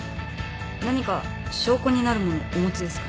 何か証拠になるものお持ちですか？